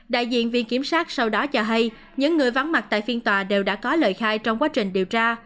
đại diện viện kiểm sát sau đó cho hay những người vắng mặt tại phiên tòa đều đã có lời khai trong quá trình điều tra